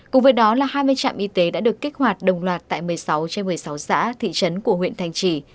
cùng với đó là hai mươi trạm y tế đã được kích hoạt đồng loạt tại một mươi sáu trên một mươi sáu xã thị trấn của huyện thanh trì